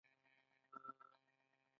زه ستا کاکا یم.